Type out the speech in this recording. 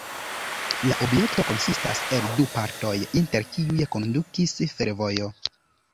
La objekto konsistas el du partoj, inter kiuj kondukis fervojo.